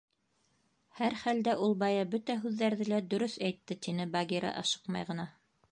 — Һәр хәлдә, ул бая бөтә һүҙҙәрҙе лә дөрөҫ әйтте, — тине Багира ашыҡмай ғына.